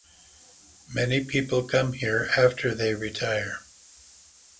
Many people come here after they retire.